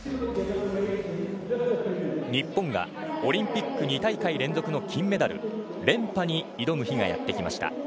日本がオリンピック２大会連続の金メダル連覇に挑む日がやってきました。